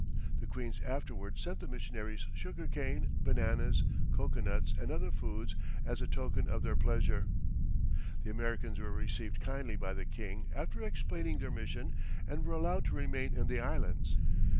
The queens afterward sent the missionaries sugar cane, bananas, cocoanuts and other foods, as a token of their pleasure. The Americans were received kindly by the King after explaining their mission and were allowed to remain in the Islands.